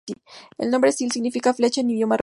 El nombre Strela significa "Flecha" en idioma ruso.